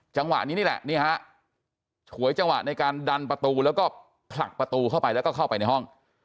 จังหวะนี้นี่แหละนี่ฮะฉวยจังหวะในการดันประตูแล้วก็ผลักประตูเข้าไปแล้วก็เข้าไปในห้อง